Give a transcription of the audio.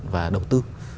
và đầu tư